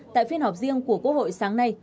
tại phiên họp riêng của quốc hội sáng nay